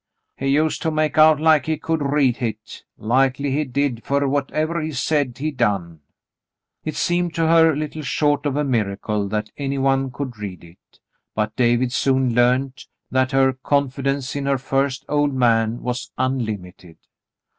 He used to make out like he could read hit. Likely he did, fer whatevah he said, he done." It seemed to her little short of a miracle that any one could read it, but David soon learned that her confidence in her first "old man" was unlimited.